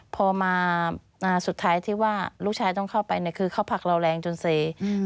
พอมาสุดท้ายที่ว่าลูกชายต้องเข้าไปเนี่ยคือเขาผลักเราแรงจนเซอืม